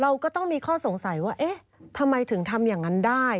ก็ต้องมีข้อสงสัยว่าเอ๊ะทำไมถึงทำอย่างนั้นได้